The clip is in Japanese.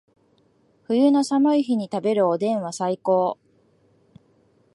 冬の寒い日に食べるおでんは最高